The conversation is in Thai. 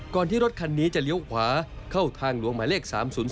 ที่รถคันนี้จะเลี้ยวขวาเข้าทางหลวงหมายเลข๓๐๒